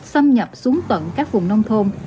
xâm nhập xuống tận các vùng nông thôn